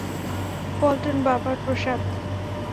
পল্টন বাবার প্রসাদ।